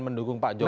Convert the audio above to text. mendukung pak jokowi